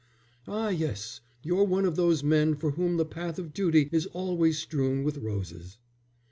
"Ah, yes, you're one of those men for whom the path of duty is always strewn with roses."